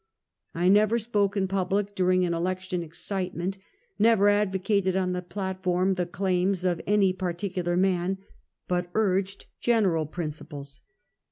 I never spoke in public during an election excitement, never advocated on the platform the claims of any particular man, but urged general principles.